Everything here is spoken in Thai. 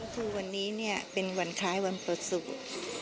คือวันนี้เป็นวันคล้ายวันประสุทธิ์